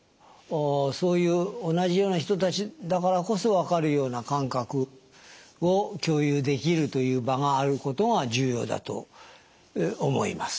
そういう同じような人たちだからこそわかるような感覚を共有できるという場があることが重要だと思います。